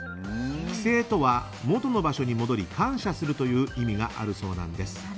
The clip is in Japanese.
帰省とは、もとの場所に戻り感謝するという意味があるそうです。